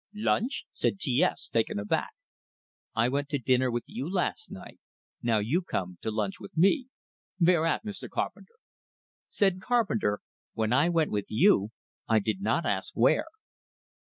"Lunch?" said T S, taken aback. "I went to dinner with you last night. Now you come to lunch with me." "Vere at, Mr. Carpenter?" Said Carpenter: "When I went with you, I did not ask where."